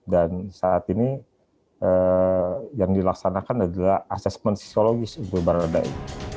dan saat ini yang dilaksanakan adalah asesmen psikologis untuk baradae